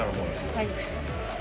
はい。